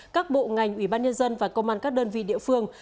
các bộ ngành ủy ban nhân dân và công an các đơn vị địa phương